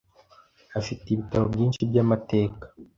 Afite ibitabo byinshi byamateka .